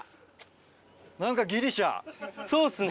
そうっすね。